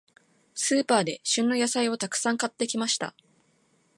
スーパーで、旬の野菜をたくさん買ってきました。